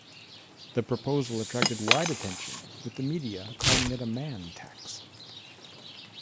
The proposal attracted wide attention, with the media calling it a man tax.